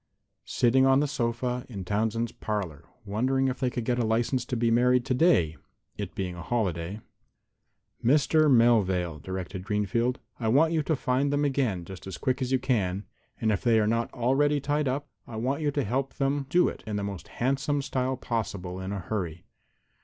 "Sitting on the sofa in Townsend's parlor, wondering if they could get a license to be married today, it being a holiday." "Mr. Melvale," directed Mr. Greenfield, "I want you to find them again, just as quick as you can, and if they are not already tied up I want you to help them do it in the most handsome style possible in a hurry.